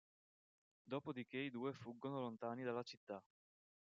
Dopodiché i due fuggono lontani dalla città.